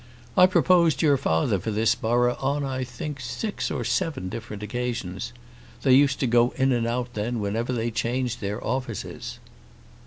"I proposed your father for this borough on, I think, six or seven different occasions. They used to go in and out then whenever they changed their offices."